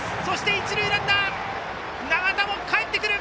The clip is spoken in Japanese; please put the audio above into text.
一塁ランナー、永田もかえってくる。